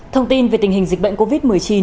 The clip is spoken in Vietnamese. thông tin về tình hình dịch bệnh covid một mươi chín